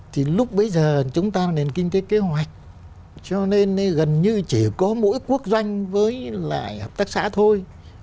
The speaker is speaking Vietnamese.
thì lúc bây giờ chúng ta là nền kinh tế kế hoạch cho nên gần như chỉ có mỗi quốc doanh với lại hợp tác xã thôi